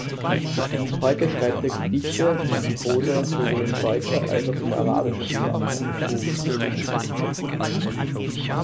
Heute schreibt er Gedichte und Prosa sowohl in deutscher als auch in arabischer Sprache.